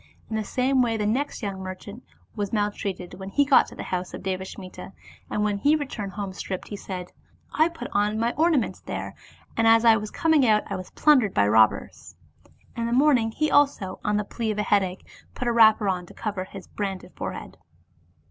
In the same way the next young merchant was maltreated, when he got to the house of Devasmita, and when he returned home stripped, he said, '' I put on my ornaments there, and as I was coming out I was plundered by robbers.'* In the morning he also, on the plea of a headache, put a wrapper on to cover his branded forehead.